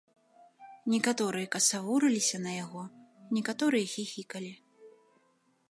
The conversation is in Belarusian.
Некаторыя касавурыліся на яго, некаторыя хіхікалі.